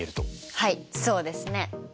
はいそうですね。